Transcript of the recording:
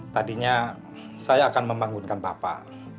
tadinya saya akan membangunkan bapak